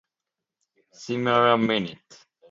C'mere a minute.